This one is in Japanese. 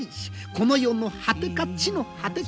この世の果てか地の果てか。